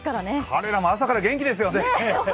彼らも朝から元気ですよね。